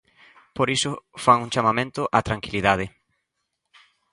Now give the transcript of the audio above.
Por iso fan un chamamento á tranquilidade.